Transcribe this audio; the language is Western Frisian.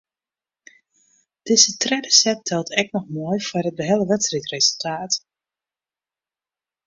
Dizze tredde set teld ek noch mei foar it behelle wedstriidresultaat.